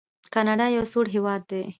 کاناډا یو سوړ هیواد دی.